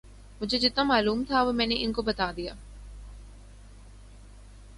مجھے جتنا معلوم تھا وہ میں نے ان کو بتا دیا